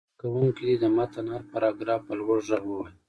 زده کوونکي دې د متن هر پراګراف په لوړ غږ ووايي.